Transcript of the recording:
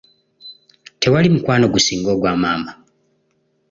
Tewali mukwano gusinga ogwa maama.